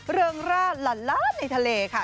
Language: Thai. เริงราดละละในทะเลค่ะ